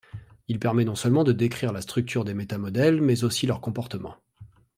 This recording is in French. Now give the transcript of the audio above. Il permet non seulement de décrire la structure des métamodèles, mais aussi leur comportement.